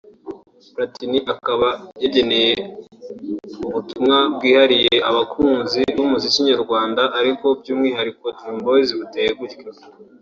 Platini akaba yageneye ubutumwa bwihariye abakunzi b’umuziki nyarwanda ariko by’umwihariko Dream boys buteye gutya